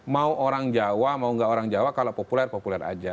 mau orang jawa mau nggak orang jawa kalau populer populer aja